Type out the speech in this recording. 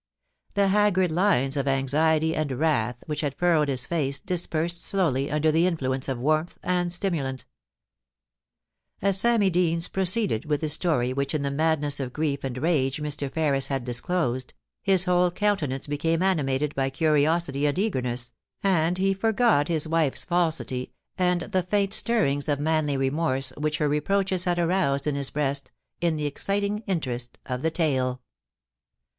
The haggard lines of amdely and wrath which had furrowed his face dispersed slowly under the influence of warmth and stimulant As Sammy Deans proceeded with the stor) which in the madness of grief and rage Mr. Ferris had disclosed, his whole countenance became animated by curiosity and eager ness, and he forgot his wife's falsity and the faint stirrings of manly remorse which her reproaches had aroused in his breast, in the exciting interest of the tale.